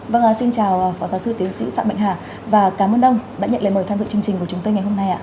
vâng xin chào phó giáo sư tiến sĩ phạm mệnh hà và cảm ơn ông đã nhận lời mời tham dự chương trình của chúng tôi ngày hôm nay